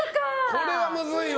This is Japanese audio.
これはむずいわ。